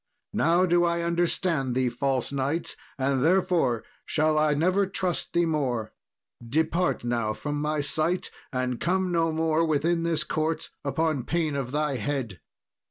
Now do I understand thee, false knight, and therefore shall I never trust thee more. Depart now from my sight, and come no more within this court upon pain of thy head."